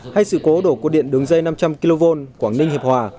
hay sự cố đổ cột điện đường dây năm trăm linh kv quảng ninh hiệp hòa